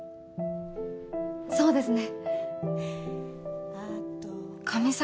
そうですね。